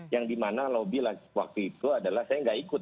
yang dimana lobby waktu itu adalah saya nggak ikut